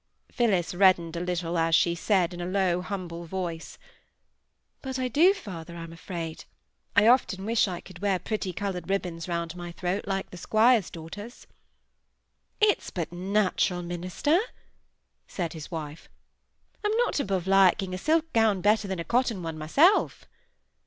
Phillis reddened a little as she said, in a low humble voice,— "But I do, father, I'm afraid. I often wish I could wear pretty coloured ribbons round my throat like the squire's daughters." "It's but natural, minister!" said his wife; "I'm not above liking a silk gown better than a cotton one myself!"